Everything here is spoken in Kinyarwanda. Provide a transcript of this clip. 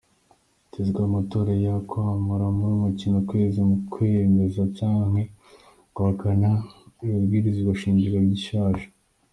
Hitezwe amatora ya kamarampaka muri kuno kwezi ku kwemeza canke guhakana ibwirizwa shingiro rishasha.